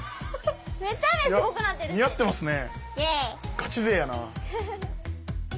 ガチ勢やな。